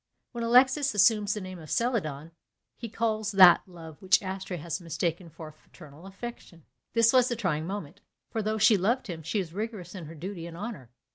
When Alexis assumes the name of Celadon, he calls that love which Astrea had mistaken for fraternal affection. This was the trying moment. For though she loved him, she is rigorous in her duty and honour.